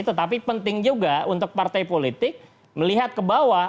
tetapi penting juga untuk partai politik melihat ke bawah